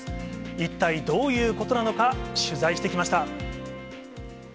一体どういうことなのか、取材してきました。